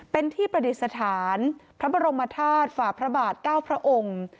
เป็นที่ประดิษฐานพระบรมธาตุฝ่าพระบาท๙พระองค์